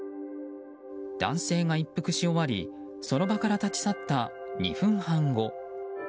男性が一服し終わりその場から立ち去った２分半後。